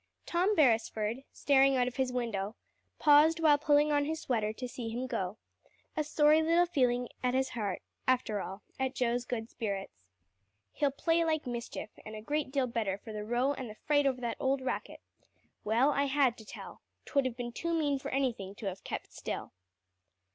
Tom Beresford, staring out of his window, paused while pulling on his sweater to see him go, a sorry little feeling at his heart, after all, at Joe's good spirits. "He'll play like the mischief, and a great deal better for the row and the fright over that old racket. Well, I had to tell. 'Twould have been too mean for anything to have kept still."